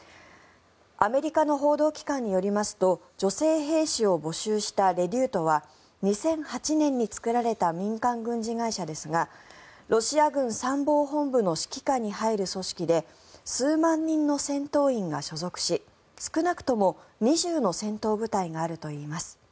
アメリカの報道機関によりますと女性兵士を募集したレデュートは２００８年に作られた民間軍事会社ですがロシア軍参謀本部の指揮下に入る組織で数万人の戦闘員が所属し少なくとも２０の戦闘部隊があるといいます。